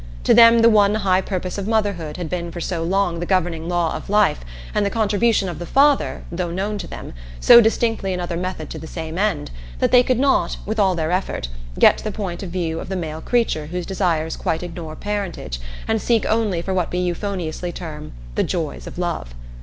To them the one high purpose of motherhood had been for so long the governing law of life, and the contribution of the father, though known to them, so distinctly another method to the same end, that they could not, with all their effort, get the point of view of the male creature whose desires quite ignore parentage and seek only for what we euphoniously term "the joys of love."